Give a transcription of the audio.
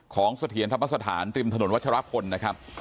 เสถียรธรรมสถานริมถนนวัชรพลนะครับ